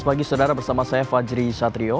pagi saudara bersama saya fajri satrio